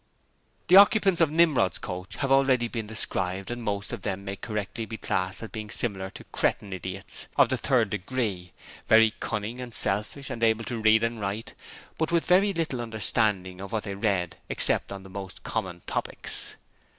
The occupants of Nimrod's coach have already been described and most of them may correctly be classed as being similar to cretin idiots of the third degree very cunning and selfish, and able to read and write, but with very little understanding of what they read except on the most common topics.